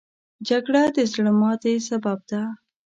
جګړه د زړه ماتې سبب ده